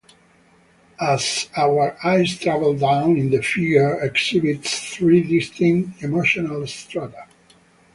As our eyes travel down it the figure exhibits three distinct emotional strata.